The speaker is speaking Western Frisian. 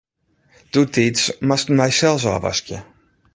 Doetiids moasten wy sels ôfwaskje.